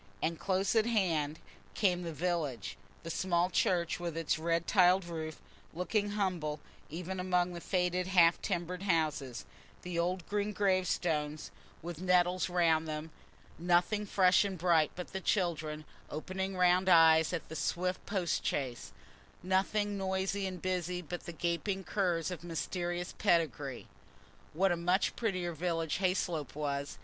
And close at hand came the village: the small church, with its red tiled roof, looking humble even among the faded half timbered houses; the old green gravestones with nettles round them; nothing fresh and bright but the children, opening round eyes at the swift post chaise; nothing noisy and busy but the gaping curs of mysterious pedigree. What a much prettier village Hayslope was!